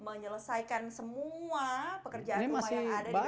menyelesaikan semua pekerjaan rumah yang ada di sini